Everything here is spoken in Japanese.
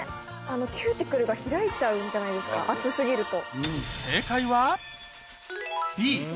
キューティクルが開いちゃうんじゃないですか熱過ぎると。